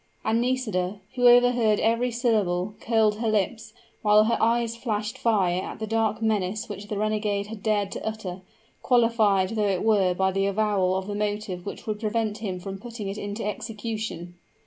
And Nisida, who overheard every syllable, curled her lips, while her eyes flashed fire at the dark menace which the renegade had dared to utter, qualified though it were by the avowal of the motive which would prevent him from putting it into execution.